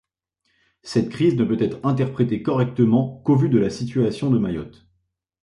Cette crise ne peut être interprétée correctement qu'au vu de la situation de Mayotte.